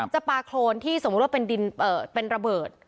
จะปาโครนที่สมมติว่าเป็นดินเปิดเป็นระเบิด